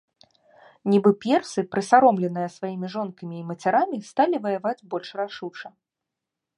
Нібы персы, прысаромленыя сваімі жонкамі і мацярамі, сталі ваяваць больш рашуча.